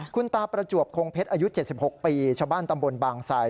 คุณตาประจวบคงเพชรอายุ๗๖ปีชาวบ้านตำบลบางไซ